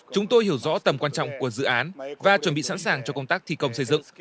chúng tôi hiểu rõ tầm quan trọng của dự án và chuẩn bị sẵn sàng cho công tác thi công xây dựng